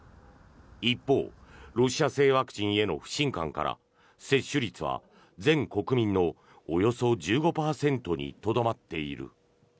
一方、ロシア製ワクチンへの不信感から接種率は全国民のおよそ１５％にとどまっている。